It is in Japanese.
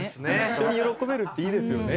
一緒に喜べるっていいですよね。